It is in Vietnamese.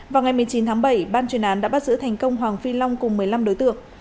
vào ngày một mươi chín tháng bảy ban chuyên án đã bắt giữ thành công hoàng phi long cùng một mươi năm đối tượng